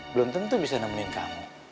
belum tentu bisa nemenin kamu